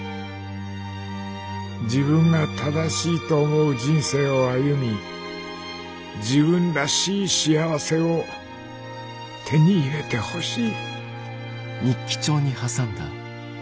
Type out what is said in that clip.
「自分が正しいと思う人生を歩み自分らしい幸せを手に入れてほしい」。